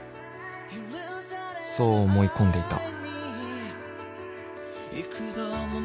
［そう思い込んでいた］